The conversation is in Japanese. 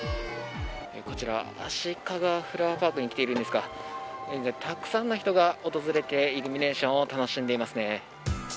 こちらあしかがフラワーパークに来ているんですがたくさんの人が訪れてイルミネーションを楽しんでいますね。